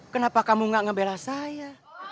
kenapa kamu gak nge bela saya